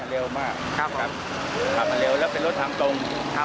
เร็วมากครับขับมาเร็วแล้วเป็นรถทางตรงข้าม